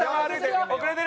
遅れてる！